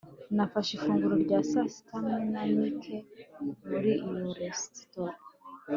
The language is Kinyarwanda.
Nafashe ifunguro rya sasita hamwe na Mike muri iyo resitora